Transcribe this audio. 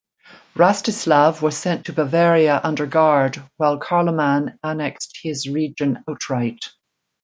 Rastislav was sent to Bavaria under guard, while Carloman annexed his realm outright.